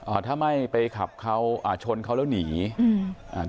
อ่าถ้าไม่ไปขับเขาอ่าชนเขาแล้วหนีอืมอ่า